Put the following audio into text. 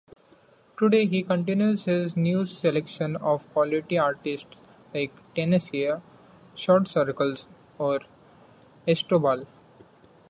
Today he continues his new selection of quality artists like Tensei, Shortcircles or Astrobal.